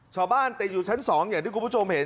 ชาวบ้านแต่อยู่ชั้น๒อย่างที่คุณผู้ชมเห็น